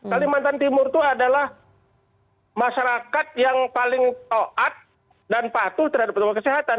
kalimantan timur itu adalah masyarakat yang paling taat dan patuh terhadap protokol kesehatan